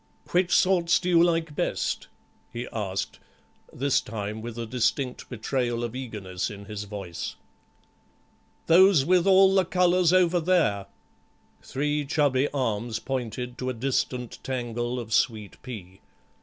"Which sorts do you like best?" he asked, this time with a distinct betrayal of eagerness in his voice. "Those with all the colours, over there." Three chubby arms pointed to a distant tangle of sweet pea.